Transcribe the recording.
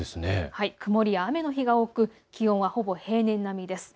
曇りや雨の日が多く気温はほぼ平年並みです。